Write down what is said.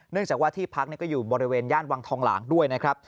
จากว่าที่พักก็อยู่บริเวณย่านวังทองหลางด้วยนะครับ